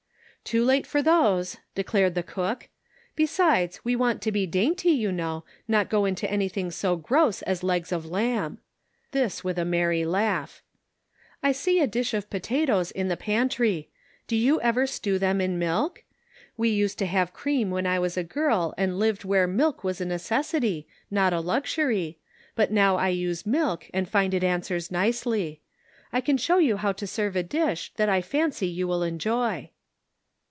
"Too late for those," declared the cook; " besides, we want to be dainty, you know, not go into anything so gross as legs of lamb." This with . a merry laugh. " I see a dish of potatoes in the pantry ; do you ever stew them in milk I We used to have cream when I was 316 The Pocket Measure. a girl and lived where milk was a necessity, not a luxury, but now I use milk and find it answers nicely; I can show you how to serve a dish that I fancy you will enjoy."